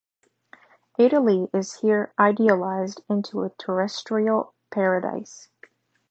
Italy is here idealized into a terrestrial paradise.